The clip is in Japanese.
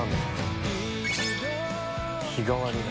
日替わりだ。